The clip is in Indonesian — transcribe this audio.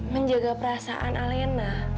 menjaga perasaan alena